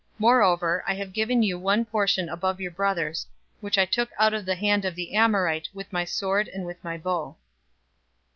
048:022 Moreover I have given to you one portion above your brothers, which I took out of the hand of the Amorite with my sword and with my bow."